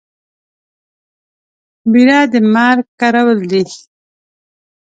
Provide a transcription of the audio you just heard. بيره د مرگ کرول دي.